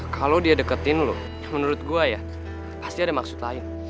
kalau dia deketin loh menurut gue ya pasti ada maksud lain